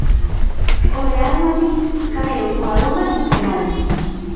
O Real Madrid caeu coa Roma nos penaltis.